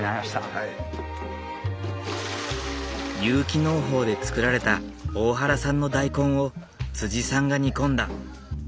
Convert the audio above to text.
有機農法で作られた大原産の大根をさんが煮込んだ。